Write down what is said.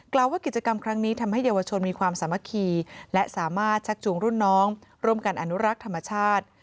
ว่ากิจกรรมครั้งนี้ทำให้เยาวชนมีความสามัคคีและสามารถชักจูงรุ่นน้องร่วมกันอนุรักษ์ธรรมชาติ